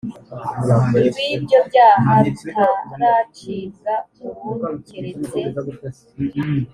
rw ibyo byaha rutaracibwa burundu keretse